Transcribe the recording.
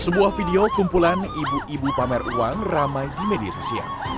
sebuah video kumpulan ibu ibu pamer uang ramai di media sosial